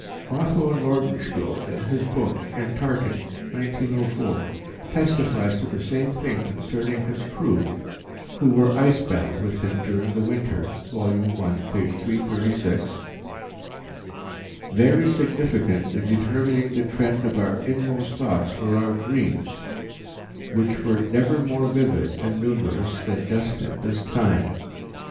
Otto Nordenskjold, in his book Antarctic (1904), testifies to the same thing concerning his crew, who were ice bound with him during the winter (Vol. 1, page 336). "Very significant in determining the trend of our inmost thoughts were our dreams, which were never more vivid and numerous than just at this time.